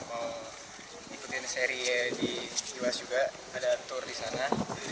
mau ikutin seri di iwas juga ada tour di sana